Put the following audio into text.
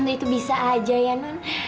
non itu bisa aja ya nan